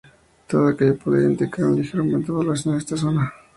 Todo ello pudiera indicar un ligero aumento poblacional en esta zona.